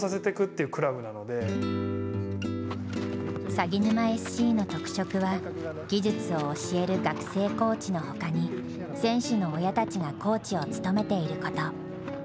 さぎぬまＳＣの特色は技術を教える学生コーチの他に選手の親たちがコーチを務めていること。